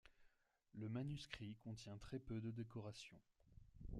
Le manuscrit contient très peu de décoration.